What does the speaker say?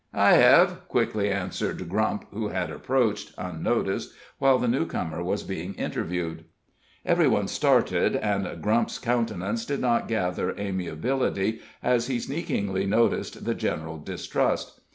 "I hev," quickly answered Grump, who had approached, unnoticed, while the newcomer was being interviewed. Every one started, and Grump's countenance did not gather amiability as he sneakingly noticed the general distrust.